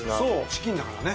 チキンだからね。